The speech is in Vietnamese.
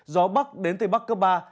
gió bắc đến tây bắc cấp ba